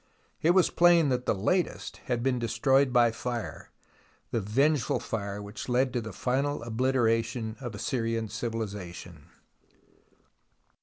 It was plain that the latest had been destroyed by fire, the vengeful fire which led to the final oblitera tion of Assyrian civilization.